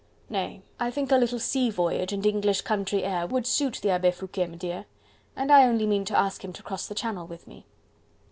Nay! I think a little sea voyage and English country air would suit the Abbe Foucquet, m'dear, and I only mean to ask him to cross the Channel with me!..."